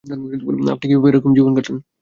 আপনি কিভাবে এরকম জীবন কাটান?